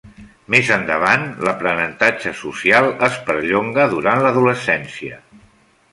Més endavant, l'aprenentatge social es perllonga durant l'adolescència.